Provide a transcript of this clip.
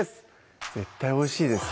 絶対おいしいですね